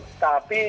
tapi di dalam hal ini